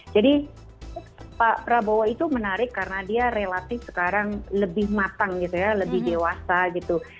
jadi pak prabowo itu menarik karena dia relatif sekarang lebih matang gitu ya lebih dewasa gitu